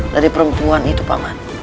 dari perempuan itu paman